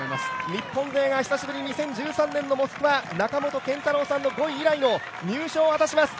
日本勢が久しぶりに２０１３年のモスクワ中本健太郎さんの５位以来の入賞を果たします。